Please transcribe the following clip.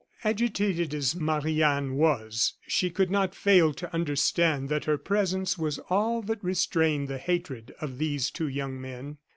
Agitated as Marie Anne was, she could not fail to understand that her presence was all that restrained the hatred of these two young men.